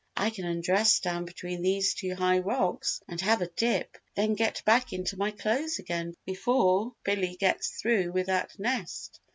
I can undress down between these two high rocks and have a dip, then get back into my clothes again before Billy gets through with that nest!"